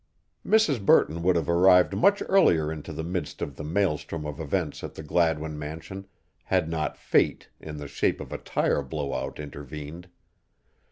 Mrs. Burton would have arrived much earlier into the midst of the maelstrom of events at the Gladwin mansion had not Fate in the shape of a tire blowout intervened.